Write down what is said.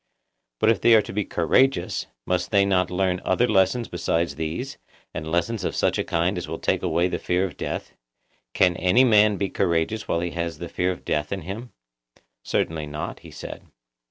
But if they are to be courageous, must they not learn other lessons besides these, and lessons of such a kind as will take away the fear of death? Can any man be courageous who has the fear of death in him? Certainly not, he said.